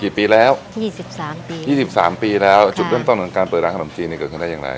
ปีแล้วยี่สิบสามปียี่สิบสามปีแล้วจุดเริ่มต้นของการเปิดร้านขนมจีนนี่เกิดขึ้นได้อย่างไร